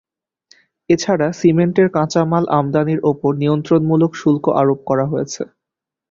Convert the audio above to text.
এ ছাড়া সিমেন্টের কাঁচামাল আমদানির ওপর নিয়ন্ত্রণমূলক শুল্ক আরোপ করা হয়েছে।